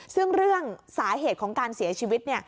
ซึ่งเรื่องสาเหตุของการเสียชีวิต